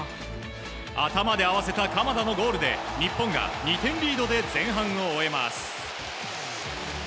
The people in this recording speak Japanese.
頭で合わせた鎌田のゴールで日本が２点リードで前半を終えます。